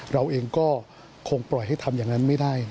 เราเองก็คงปล่อยให้ทำอย่างนั้นไม่ได้